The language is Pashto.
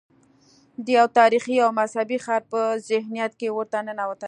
د یو تاریخي او مذهبي ښار په ذهنیت کې ورته ننوتي.